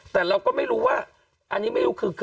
แต่เราก็ไม่รู้ว่าอันนี้ไม่รู้คือ